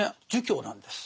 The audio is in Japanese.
儒教なんです。